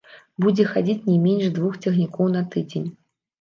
Будзе хадзіць не менш двух цягнікоў на тыдзень.